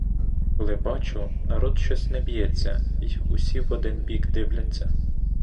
Коли бачу, народ щось не б'ється й усі в один бік дивляться.